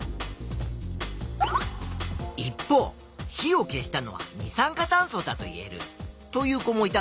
一方火を消したのは二酸化炭素だといえるという子もいたぞ。